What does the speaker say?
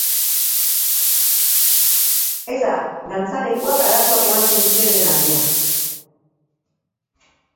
Ez da dantzalekuak arazoak ematen dituen lehen aldia.